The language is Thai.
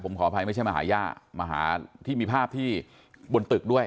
ผมขออภัยไม่ใช่มาหาย่ามาหาที่มีภาพที่บนตึกด้วย